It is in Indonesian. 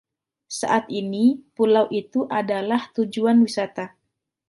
Saat ini, pulau itu adalah tujuan wisata.